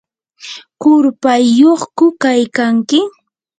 ¿qurpayyuqku kaykanki?